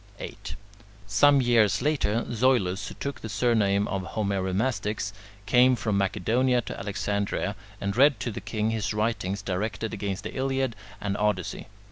8. Some years later, Zoilus, who took the surname of Homeromastix, came from Macedonia to Alexandria and read to the king his writings directed against the Iliad and Odyssey.